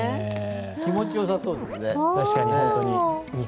気持ちよさそうですね。